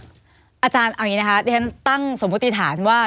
อาจารย์เอาอย่างนี้นะคะที่ฉันตั้งสมมติฐานว่า